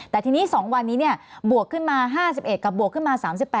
แต่ทีนี้๒วันนี้บวกขึ้นมา๕๑กับบวกขึ้นมา๓๘